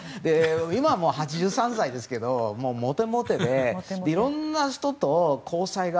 今もう８３歳ですけどモテモテでいろんな人と交際が。